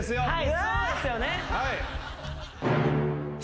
はい。